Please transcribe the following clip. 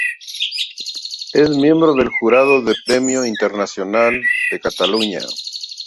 Es miembro del jurado de Premio Internacional Cataluña.